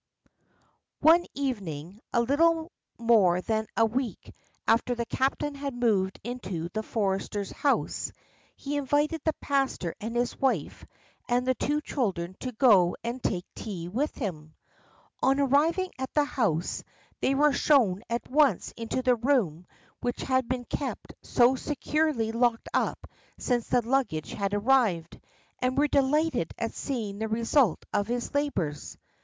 One evening, a little more than a week after the captain had moved into the forester's house, he invited the pastor and his wife and the two children to go and take tea with him. On arriving at the house they were shown at once into the room which had been kept so securely locked up since the luggage had arrived, and were delighted at seeing the result of his labours.